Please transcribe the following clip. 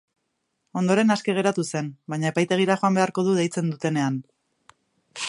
Ondoren aske geratu zen, baina epaitegira joan beharko du deitzen dutenean.